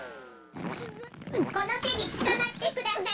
このてにつかまってください。